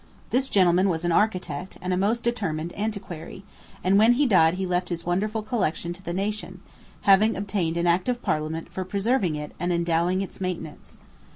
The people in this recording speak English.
This gentleman was an architect, and a most determined antiquary; and when he died he left his wonderful collection to the nation, having obtained an act of Parliament for preserving it and endowing its maintenance.